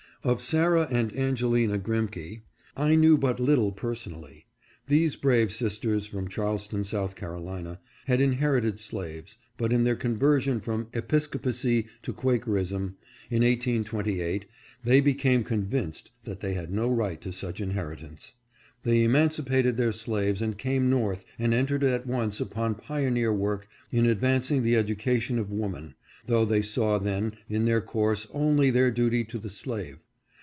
Of Sarah and Angelina Grimke I knew but little per sonally. These brave sisters from Charleston, South Carolina, had inherited slaves, but in their conversion from Episcopacy to Quakerism, in 1828, they became con vinced that they had no right to such inheritance. They emancipated their slaves and came North and entered at once upon pioneer work in advancing the education of woman, though they saw then in their course only their duty to the slave.